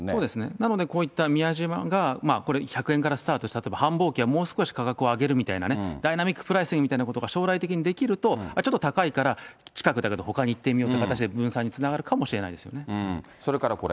なので、こういった宮島がこれ、１００円からスタートしたって、繁忙期はもう少し価格を上げるみたいなね、ダイナミックプライシングみたいなのを将来的にできると、ちょっと高いから近くだけどほかに行ってみようとか、分散につながるかそれからこれ。